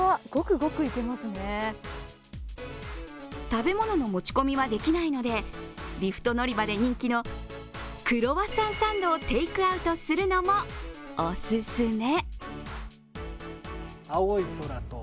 食べ物の持ち込みはできないのでリフト乗り場で人気のクロワッサンサンドをテイクアウトするのもお勧め。